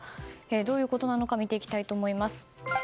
どういうことなのか見ていきたいと思います。